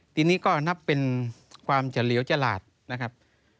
ทีนี้ก็นับเป็นความเฉลียวฉลาดนะครับ